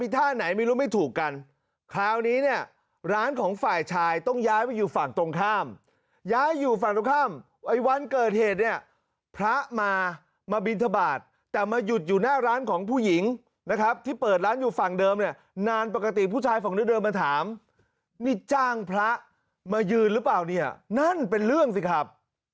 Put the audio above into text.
ท่าไหนไม่รู้ไม่ถูกกันคราวนี้เนี่ยร้านของฝ่ายชายต้องย้ายไปอยู่ฝั่งตรงข้ามย้ายอยู่ฝั่งตรงข้ามไอ้วันเกิดเหตุเนี่ยพระมามาบินทบาทแต่มาหยุดอยู่หน้าร้านของผู้หญิงนะครับที่เปิดร้านอยู่ฝั่งเดิมเนี่ยนานปกติผู้ชายฝั่งนี้เดินมาถามนี่จ้างพระมายืนหรือเปล่าเนี่ยนั่นเป็นเรื่องสิครับ